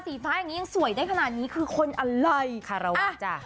สีฟ้าอย่างนี้ยังสวยได้ขนาดนี้คือคนอะไร